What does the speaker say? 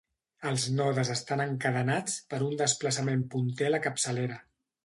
Els nodes estan encadenats per un desplaçament punter a la capçalera.